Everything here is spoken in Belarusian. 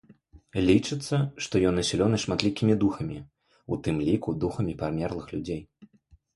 Лічыцца, што ён населены шматлікімі духамі, у тым ліку духамі памерлых людзей.